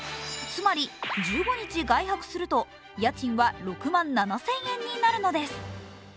つまり、１５日外泊すると家賃は６万７０００円になるのです。